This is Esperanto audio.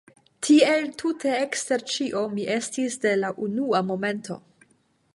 Tiel tute ekster ĉio mi estis de la unua momento.